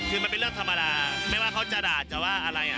คือมันเป็นเรื่องธรรมดาไม่ว่าเขาจะด่าจะว่าอะไร